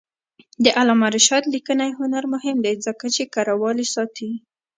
د علامه رشاد لیکنی هنر مهم دی ځکه چې کرهوالي ساتي.